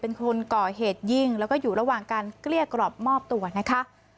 เป็นคนก่อเหตุยิงแล้วก็อยู่ระหว่างการเกลี้ยกรอบมอบตัวนะคะ